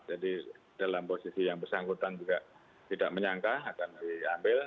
jadi dalam posisi yang bersangkutan juga tidak menyangka akan diambil